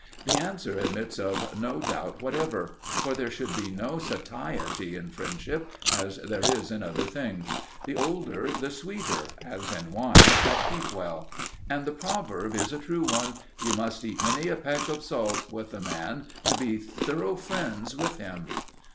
The answer admits of no doubt whatever. For there should be no satiety in friendship, as there is in other things. The older the sweeter, as in wines that keep well. And the proverb is a true one, "You must eat many a peck of salt with a man to be thorough friends with him."